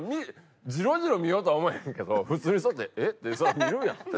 ジロジロ見ようとは思わへんけど普通にしとってえっ？って